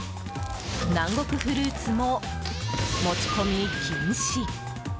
南国フルーツも持ち込み禁止。